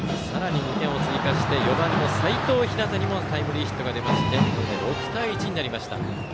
２点を追加して４番の齋藤陽にもタイムリーヒットが出まして６対１になりました。